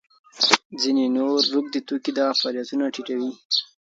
ځینې نور روږدي توکي دغه فعالیتونه ټیټوي.